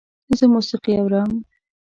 زه موسیقي اورم